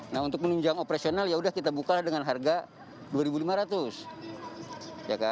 nah untuk menunjang operasional ya udah kita buka dengan harga rp dua lima ratus